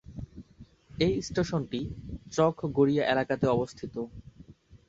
এই স্টেশনটি চক গড়িয়া এলাকাতে অবস্থিত।